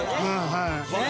はい。